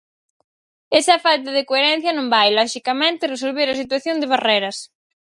Esa falta de coherencia non vai, loxicamente, resolver a situación de Barreras.